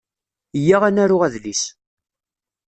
Iyya ad d-naru adlis.